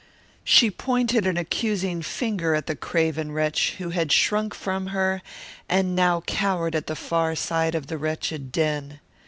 She pointed an accusing finger at the craven wretch who had shrunk from her and now cowered at the far side of the wretched den.